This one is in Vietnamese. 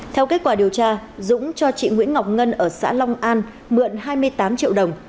theo kết quả điều tra dũng cho chị nguyễn ngọc ngân ở xã long an mượn hai mươi tám triệu đồng